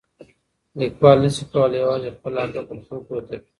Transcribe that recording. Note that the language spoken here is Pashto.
ليکوال نه سي کولای يوازې خپل عقل پر خلګو وتپي.